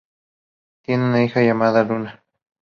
Tiene una hija llamada Luna.